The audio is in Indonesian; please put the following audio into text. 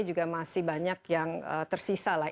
juga masih banyak yang tersisa lah